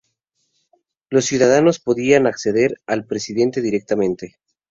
Los ciudadanos podían acceder al presidente directamente.